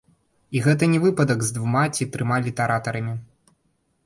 І гэта не выпадак з двума ці трыма літаратарамі.